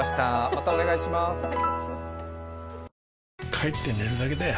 帰って寝るだけだよ